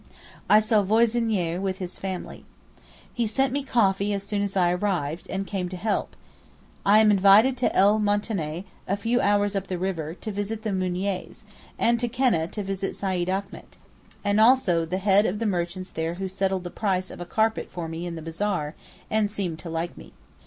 I shall voisiner with his family. He sent me coffee as soon as I arrived, and came to help. I am invited to El Moutaneh, a few hours up the river, to visit the Mouniers, and to Keneh to visit Seyyid Achmet, and also the head of the merchants there who settled the price of a carpet for me in the bazaar, and seemed to like me.